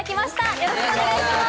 よろしくお願いします。